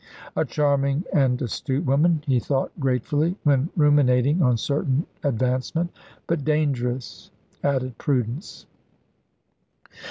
"A charming and astute woman," he thought gratefully, when ruminating on certain advancement. "But dangerous," added Prudence.